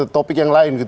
topik yang lain gitu